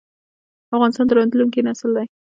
افغانستان د راتلونکي نسل دی